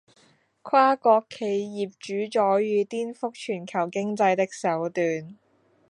跨國企業主宰與顛覆全球經濟的手段